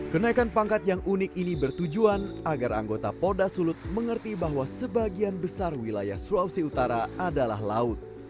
kenaikan pangkat yang unik ini bertujuan agar anggota poda sulut mengerti bahwa sebagian besar wilayah sulawesi utara adalah laut